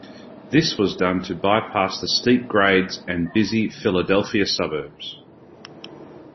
This was done to bypass the steep grades and busy Philadelphia suburbs.